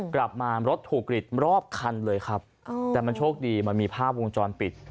กลับมารถถูกกรีดรอบคันเลยครับแต่มันโชคดีมันมีภาพวงจรปิด